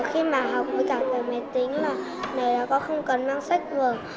khi mà học với cả cái máy tính là này là con không cần mang sách vở